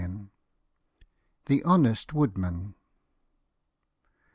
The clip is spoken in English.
THE HONEST WOODMAN.